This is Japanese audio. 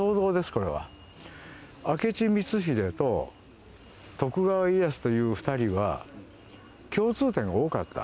明智光秀と徳川家康という２人は共通点が多かった。